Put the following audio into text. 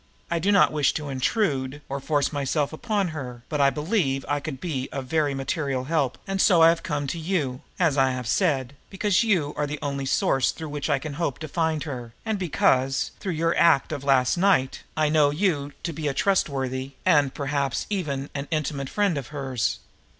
I do not wish to intrude, or force myself upon her, but I believe I could be of very material help, and so I have come to you, as I have said, because you are the only source through which I can hope to find her, and because, through your act of last night, I know you to be a trustworthy, and, perhaps, even an intimate, friend of hers."